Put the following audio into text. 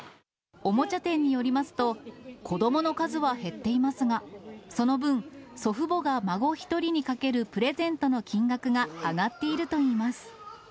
おもちゃ店によりますと、子どもの数は減っていますが、その分、祖父母が孫１人にかけるプレゼントの金額が上がっているといいます。